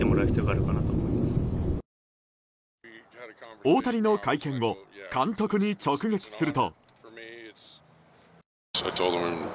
大谷の会見後監督に直撃すると。